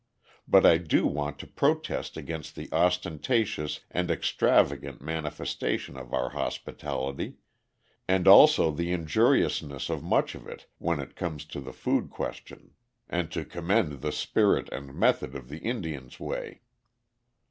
But I do want to protest against the ostentatious and extravagant manifestation of our hospitality, and also the injuriousness of much of it when it comes to the food question, and to commend the spirit and method of the Indian's way.